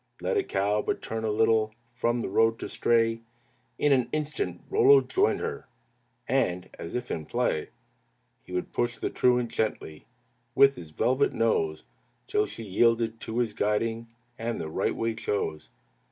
Let a cow but turn a little From the road to stray, In an instant Rollo joined her, And, as if in play. He would push the truant gently With his velvet nose, Till she yielded to his guiding, And the right way chose.